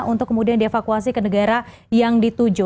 untuk kemudian dievakuasi ke negara yang dituju